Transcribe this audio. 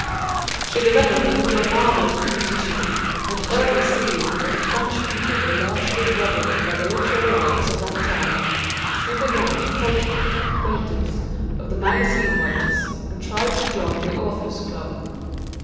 She developed into a marvelous politician, and early seeing that the French people were largely governed by the literary lights of that time, she began to cultivate the acquaintance of the magazine writers, and tried to join the Authors' Club.